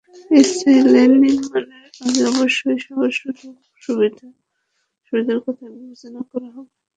স্থায়ী লেন নির্মাণের আগে অবশ্যই সবার সুবিধা-অসুবিধার কথা বিবেচনা করা হবে।